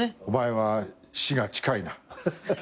お前は死が近いな。